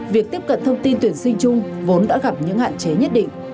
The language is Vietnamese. việc tiếp cận thông tin tuyển sinh chung vốn đã gặp những hạn chế nhất định